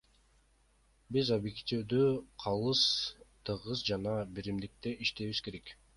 Биз объективдүү, калыс, тыгыз жана биримдикте иштешибиз керек.